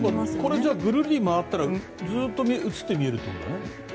これ、ぐるり回ったらずっと映って見えるってことね。